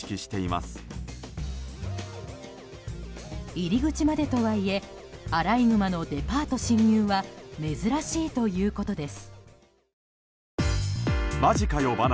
入り口までとはいえアライグマのデパート侵入は珍しいということです。